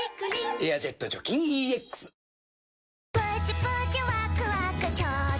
「エアジェット除菌ＥＸ」男性）